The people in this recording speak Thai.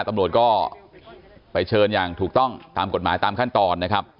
ตำรวจก็ไปเชิญอย่างถูกต้องตามกฎหมายตามขั้นตอนนะครับ